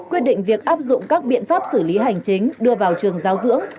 quyết định việc áp dụng các biện pháp xử lý hành chính đưa vào trường giáo dưỡng